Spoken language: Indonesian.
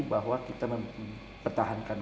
bahwa kita mempertahankan